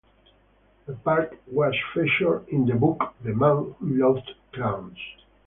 The park was featured in the book "The Man Who Loved Clowns".